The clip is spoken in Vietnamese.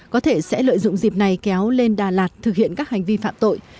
có thể sẽ lợi dụng dịp này kéo lên đà lạt thực hiện các hành vi phạm tội